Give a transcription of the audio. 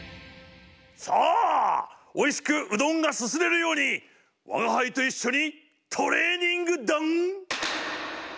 さあおいしくうどんがすすれるように我が輩と一緒にトレーニングだん！